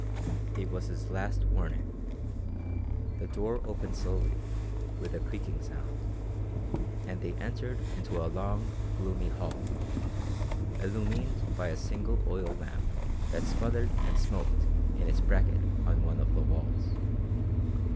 It was his last warning. The door opened slowly, with a creaking sound, and they entered into a long, gloomy hall, illumined by a single oil lamp that sputtered and smoked in its bracket on one of the walls.